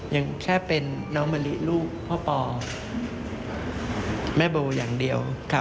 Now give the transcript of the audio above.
ยังแค่เป็นน้องมะลิลูกพ่อปอแม่โบอย่างเดียว